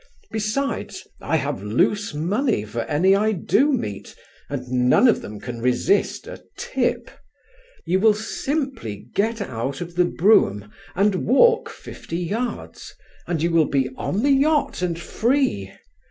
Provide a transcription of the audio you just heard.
Besides, I have loose money for any I do meet, and none of them can resist a 'tip.' You will simply get out of the brougham and walk fifty yards and you will be on the yacht and free.